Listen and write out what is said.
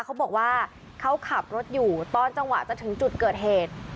เขาบอกว่าเขาขับรถอยู่ตอนจังหวะจะถึงจุดเกิดเหตุ